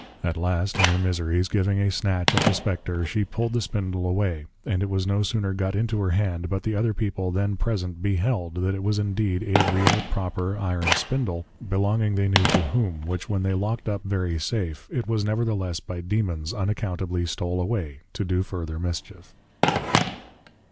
At last, in her miseries, giving a snatch at the Spectre, she pull'd the spindle away, and it was no sooner got into her hand, but the other people then present, beheld, that it was indeed a Real, Proper, Iron spindle, belonging they knew to whom; which when they lock'd up very safe, it was nevertheless by Demons unaccountably stole away, to do further mischief.